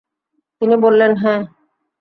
তিনি বললেনঃ হ্যাঁ।